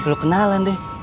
perlu kenalan deh